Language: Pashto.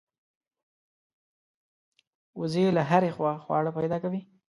وزې له هرې خوا خواړه پیدا کوي